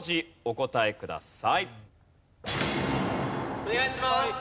お願いします。